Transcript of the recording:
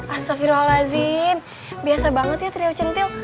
astagfirullahaladzim biasa banget sih trilocen lil